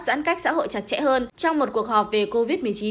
giãn cách xã hội chặt chẽ hơn trong một cuộc họp về covid một mươi chín hôm nay